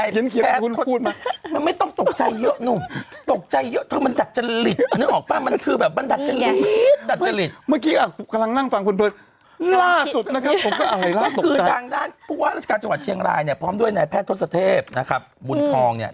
ผมตกใจผมนั่งกำลังเขียนคุณพูดมา